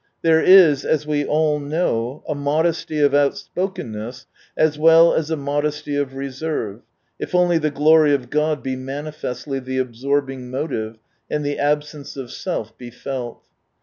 There is, as we alt knotv, a modesty of outspokenness as well as a modesty of reserve, if only the glory of God be manifestly the absorbing motive, and the absence of self be felt.